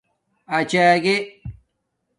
اچاگّے